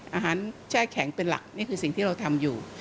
แช่แข็งเป็นหลักนี่คือสิ่งที่เราทำอยู่